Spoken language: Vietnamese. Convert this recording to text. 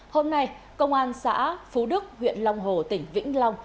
hôm nay công an xã phú đức huyện long hồ tỉnh vĩnh long